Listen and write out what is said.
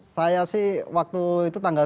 saya sih waktu itu tanggal tiga puluh